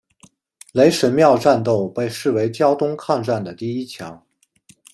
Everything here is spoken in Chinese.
雷神庙战斗被视为胶东抗战的第一枪。